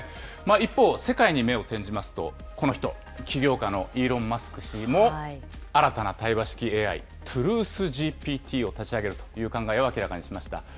一方、世界に目を転じますと、この人、起業家のイーロン・マスク氏も、新たな対話式ＡＩ、ＴｒｕｔｈＧＰＴを立ち上げるという考えを明らかにしました。